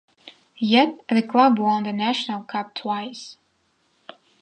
Yet the club won the national cup twice.